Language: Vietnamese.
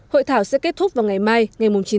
hội thảo sẽ kết thúc vào ngày mai ngày chín tháng năm